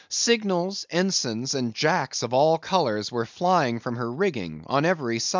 Signals, ensigns, and jacks of all colours were flying from her rigging, on every side.